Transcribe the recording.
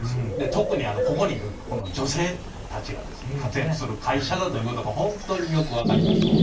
特にここにいる女性たちが活躍する会社だということが本当によく分かりました。